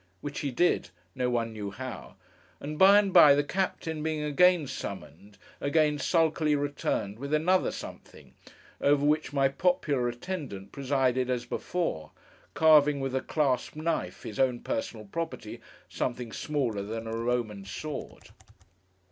Which he did—no one knew how—and by and by, the captain being again summoned, again sulkily returned with another something; over which my popular attendant presided as before: carving with a clasp knife, his own personal property, something smaller than a Roman sword.